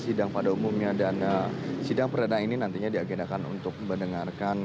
sidang pada umumnya dan sidang perdana ini nantinya diagendakan untuk mendengarkan